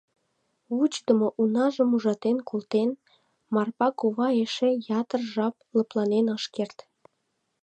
Вучыдымо унажым ужатен колтен, Марпа кува эше ятыр жап лыпланен ыш керт.